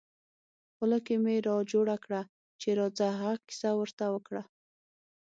خوله کې مې را جوړه کړه چې راځه هغه کیسه ور ته وکړه.